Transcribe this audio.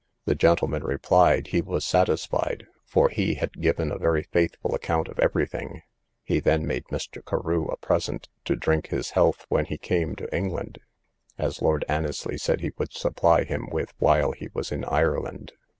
The gentleman replied, he was satisfied, for he had given a very faithful account of every thing; he then made Mr. Carew a present to drink his health when he came to England, as Lord Annesly said he would supply him while he was in Ireland.